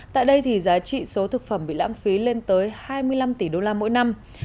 tại đây thì giá trị số thực phẩm bị lãng phí lên tới hai mươi năm tỷ đô la mỗi năm